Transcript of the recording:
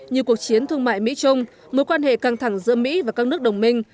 như cuộc chiến thương mại mỹ trung mối quan hệ căng thẳng giữa mỹ và các nước đồng minh